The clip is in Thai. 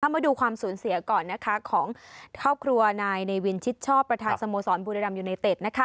มาดูความสูญเสียก่อนของครอบครัวนายนายวินชิดชอบประธานสโมสรบุรีรัมย์อยู่ในเต็ด